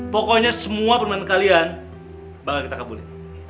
pokoknya semua permainan kalian bakal kita kabulin